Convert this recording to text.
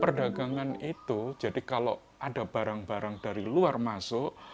perdagangan itu jadi kalau ada barang barang dari luar masuk